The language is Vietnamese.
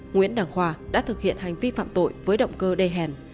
nguyễn đăng khoa đã thực hiện hành vi phạm tội với động cơ đê hèn